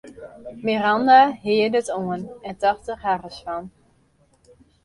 Miranda hearde it oan en tocht der harres fan.